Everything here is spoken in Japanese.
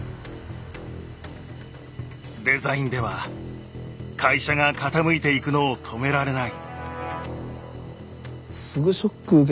デザインでは会社が傾いていくのを止められない。